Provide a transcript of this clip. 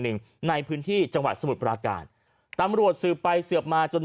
หนึ่งในพื้นที่จังหวัดสมุทรปราการตำรวจสืบไปสืบมาจน